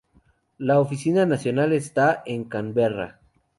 La oficina nacional está en Canberra.